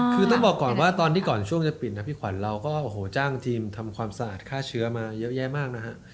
คือต้องบอกก่อนว่าตอนที่ก่อนช่วงจะปิดนะพี่ขวัญเราก็โอ้โหจ้างทีมทำความสะอาดฆ่าเชื้อมาเยอะแยะมากนะฮะ